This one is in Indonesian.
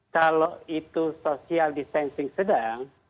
kalau itu social distancing sedang